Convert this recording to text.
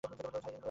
High না, লাগবেনা।